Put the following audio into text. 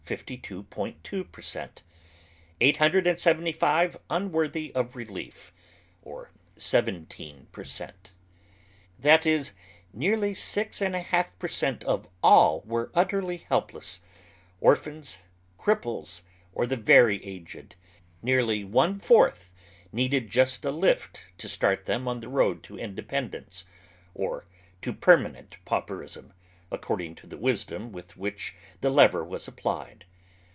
3 per cent. ; 875 unworthy of relief, or 17 per cent. That is, nearly six and a half per cent, of all were ut terly helpless — orphans, cripples, or the very aged ; nearly one fourth needed juet a lift to start them on the road to independence, or to permanent pauperism, according to the wisdom with which the lever was applied.